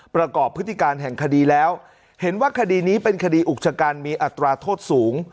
พฤติการแห่งคดีแล้วเห็นว่าคดีนี้เป็นคดีอุกชะกันมีอัตราโทษสูง